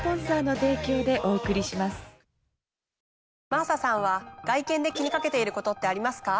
真麻さんは外見で気にかけていることってありますか？